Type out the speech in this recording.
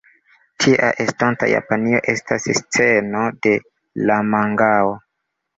Tia estonta Japanio estas sceno de la mangao.